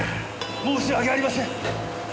申し訳ありません！